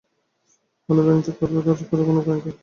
অন্য ব্যাংক থেকে অর্থ ধার করে কোনো কোনো ব্যাংক ব্যবসা চালাচ্ছে।